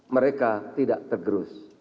mereka tidak tergerus